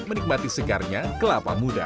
menikmati segarnya kelapa muda